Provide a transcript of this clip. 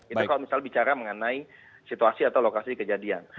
itu kalau misalnya bicara mengenai situasi atau lokasi kejadian